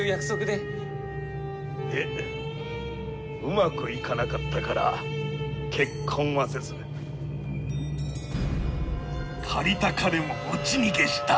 でうまくいかなかったから結婚はせず借りた金も持ち逃げした。